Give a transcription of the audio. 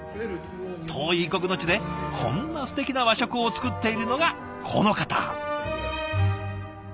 遠い異国の地でこんなすてきな和食を作っているのがこの方。